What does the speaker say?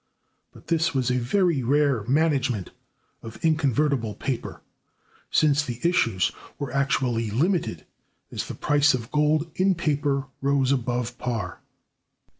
But this was a very rare management of inconvertible paper, since the issues were actually limited as the price of gold in paper rose above par.